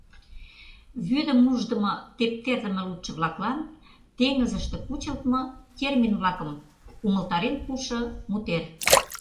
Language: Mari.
ВӰДЫМ УЖДЫМО ТЕПТЕРДЫМЕ ЛУДШО-ВЛАКЛАН ТЕҤЫЗЫШТЕ КУЧЫЛТМО ТЕРМИН-ВЛАКЫМ УМЫЛТАРЕН ПУЫШО МУТЕР